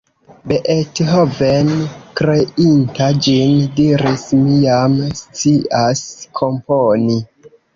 Beethoven, kreinta ĝin, diris: "Mi jam scias komponi".